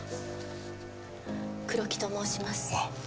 黒木と申します。